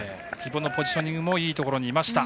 宜保のポジショニングもいいところにいました。